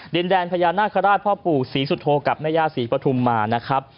ดินแดนพญานาคาราชพ่อปู่ศรีสุโธกับแม่ย่าศรีปฐุมมานะครับ